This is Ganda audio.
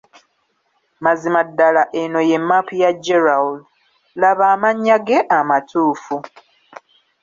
Mazima ddala eno ye map ya Gerald, laba amannya ge amatuufu.